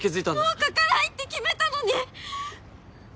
もう描かないって決めたのに！